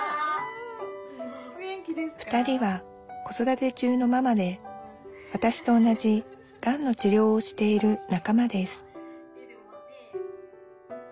２人は子育て中のママでわたしと同じがんの治療をしている仲間です